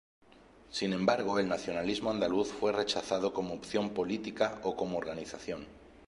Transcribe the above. Sin embargo, el nacionalismo andaluz fue rechazado como opción política o como organización.